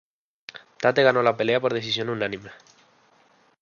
Tate ganó la pelea por decisión unánime.